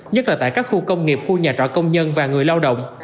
nhất là tại các khu công nghiệp khu nhà trọ công nhân và người lao động